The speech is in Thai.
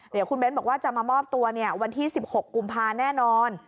เดี๋ยวคุณเบ้นบอกว่าจะมามอบตัววันที่๑๖กุมภาแน่นอน